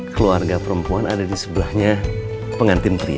keluarga perempuan ada di sebelahnya pengantin pria